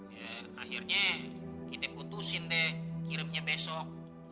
ya akhirnya kita putusin deh kirimnya besok